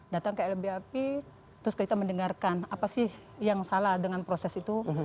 datang ke lbhp terus kita mendengarkan apa sih yang salah dengan proses itu